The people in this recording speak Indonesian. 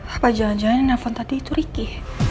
apa jangan jangan yang nelfon tadi itu ricky